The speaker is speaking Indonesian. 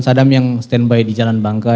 sadam yang standby di jalan bangka